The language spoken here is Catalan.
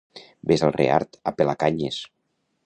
Ves al Reart a pelar canyes!